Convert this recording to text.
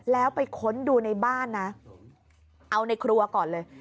แล้วไปค้นดูในบ้านนะเอาในครัวก่อนเลย